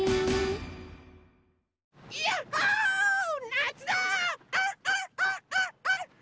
なつだ！